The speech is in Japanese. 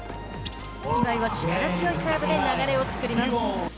今井は力強いサーブで流れを作ります。